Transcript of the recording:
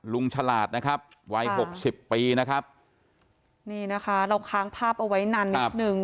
ฉลาดนะครับวัยหกสิบปีนะครับนี่นะคะเราค้างภาพเอาไว้นานนิดนึง